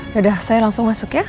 sudah saya langsung masuk ya